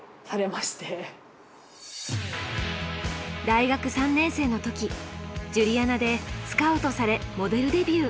大学３年生の時ジュリアナでスカウトされモデルデビュー。